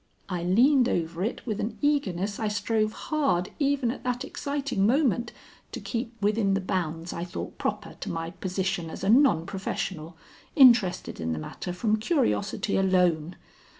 I leaned over it with an eagerness I strove hard, even at that exciting moment, to keep within the bounds I thought proper to my position as a non professional, interested in the matter from curiosity alone.